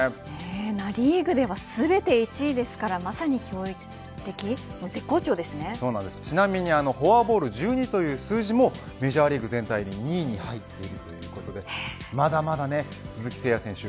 ナ・リーグでは全て１位ですからフォアボール１２という数字もメジャーリーグ全体で２位に入っているということでまだまだ鈴木誠也選手